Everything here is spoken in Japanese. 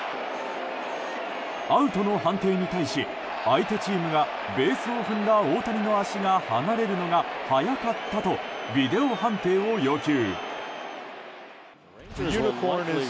アウトの判定に対し相手チームがベースを踏んだ大谷の足が離れるのが早かったとビデオ判定を要求。